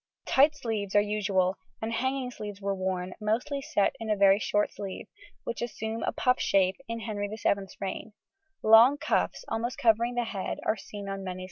Tight sleeves are usual, and hanging sleeves were worn, mostly set in a very short sleeve, which assume a puff shape in Henry VII's reign; long cuffs, almost covering the hand, are seen on many sleeves.